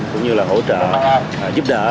cũng như là hỗ trợ giúp đỡ